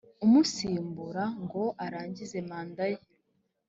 umusimbura ngo arangize manda ye